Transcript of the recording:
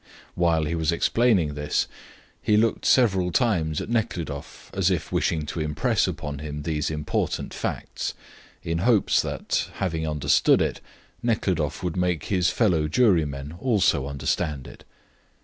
While he was explaining this, he looked several times at Nekhludoff as if wishing to impress upon him these important facts, in hopes that, having understood it, Nekhludoff would make his fellow jurymen also understand it.